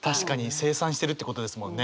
生産してるってことですもんね。